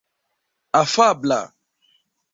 afabla